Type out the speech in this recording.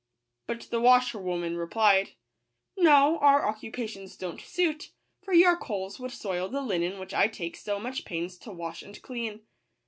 But the washerwoman replied, " No, our occupations don't suit ; for your coals would soil the linen which I take so much pains to wash and clean."